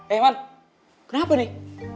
eh man kenapa nih